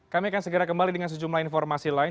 kami akan segera kembali dengan sejumlah informasi lain